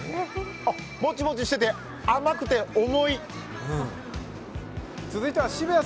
モチモチしてて、甘くて重い。